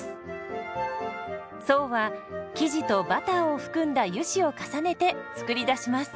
層は生地とバターを含んだ油脂を重ねて作り出します。